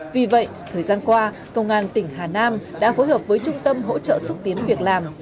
vì vậy thời gian qua công an tỉnh hà nam đã phối hợp với trung tâm hỗ trợ xúc tiến việc làm